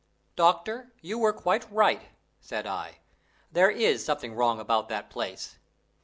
"Doctor, you were quite right," said I. "There is something wrong about that place."